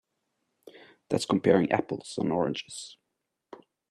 That's comparing apples and oranges.